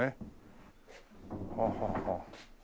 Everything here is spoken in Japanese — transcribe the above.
はあはあはあ。